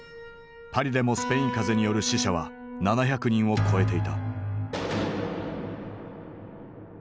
パリでもスペイン風邪による死者は７００人を超えていた。